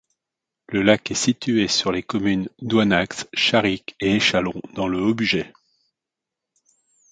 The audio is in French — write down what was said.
Le lac est situé sur les communes d'Oyonnax, Charix et Échallon, dans le Haut-Bugey.